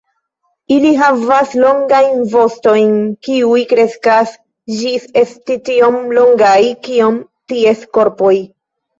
Ili havas longajn vostojn kiuj kreskas ĝis esti tiom longaj kiom ties korpoj.